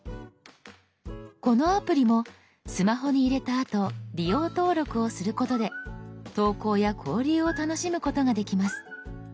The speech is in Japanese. このアプリもスマホに入れたあと利用登録をすることで投稿や交流を楽しむことができます。